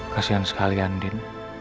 kasian sekali andin